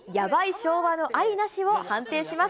昭和のありなしを判定します。